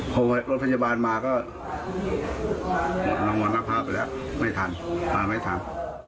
โทรไว้รถพยาบาลมาก็มรรณภาพไปแล้วไม่ทันไม่ทัน